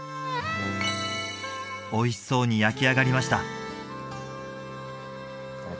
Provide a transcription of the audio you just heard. おいしそうに焼き上がりました